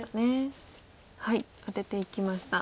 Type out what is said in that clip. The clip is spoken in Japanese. アテていきました。